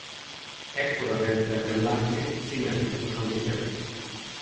Ekkor a rendszer nem látszik szimmetrikusan viselkedni.